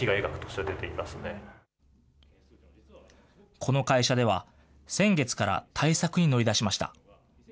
この会社では、先月から対策に乗り出しました。